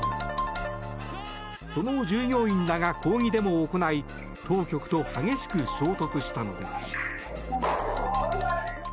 その従業員らが抗議デモを行い当局と激しく衝突したのです。